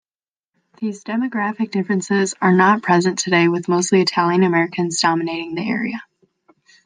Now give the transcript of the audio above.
These demographic differences are not present today with mostly Italian-Americans dominating the area.